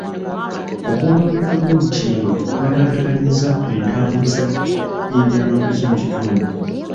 Okwonooneka kw'olutindo kwataataaganyizza entambuza y'ebyamaguzi mu kitundu.